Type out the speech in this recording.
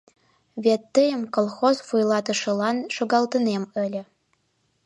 Вет тыйым колхоз вуйлатышылан шогалтынем ыле.